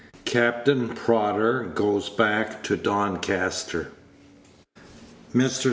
CAPTAIN PRODDER GOES BACK TO DONCASTER. Mr.